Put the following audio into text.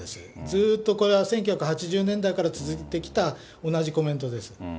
ずっとこれは１９８０年代から続いてきた同じコメントです。